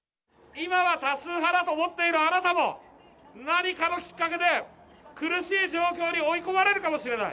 今は多数派だと思っているあなたも、何かのきっかけで、苦しい状況に追い込まれるかもしれない。